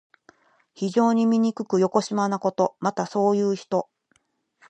非常にみにくくよこしまなこと。また、そういう人。